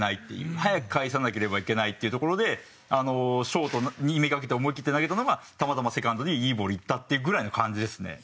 早く返さなければいけないっていうところでショートにめがけて思いきって投げたのがたまたまセカンドにいいボール行ったっていうぐらいの感じですね。